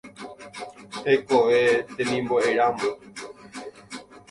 Hekove temimbo'éramo.